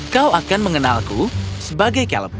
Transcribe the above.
kau akan mengenalku sebagai caleb